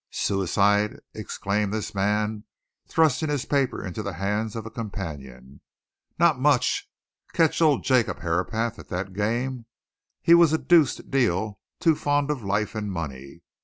"Suicide?" exclaimed this man, thrusting his paper into the hands of a companion. "Not much! Catch old Jacob Herapath at that game he was a deuced deal too fond of life and money!